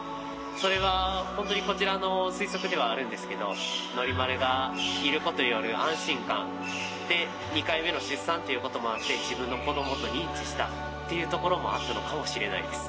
それは本当にこちらの推測ではあるんですけどノリマルがいることによる安心感で２回目の出産っていうこともあって自分の子どもと認知したっていうところもあったのかもしれないです。